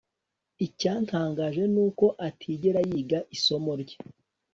Icyantangaje nuko atigera yiga isomo rye